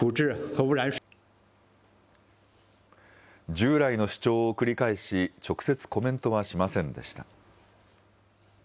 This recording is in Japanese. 従来の主張を繰り返し、直接、コメントはしませんでした。